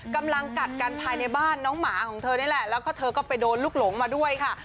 กำลังกัดกันภายในบ้านน้องหมาของเธอนี่แหละแล้วก็เธอก็ไปโดนลูกหลงมาด้วยค่ะ